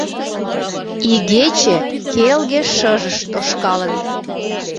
Игече келге шыжыш тошкалын.